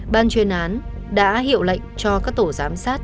ban chuyên án đã hiệu lệnh cho các tổ giám sát